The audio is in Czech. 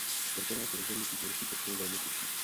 Proto nás rozhodnutí irských občanů velmi těší.